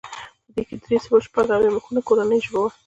په دې کې درې سوه شپږ اویا مخونه کورنیو ژبو وو.